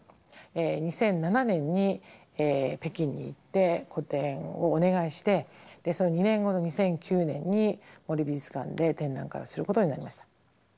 ２００７年に北京に行って個展をお願いしてその２年後の２００９年に森美術館で展覧会をすることになりました。